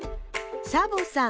サボさん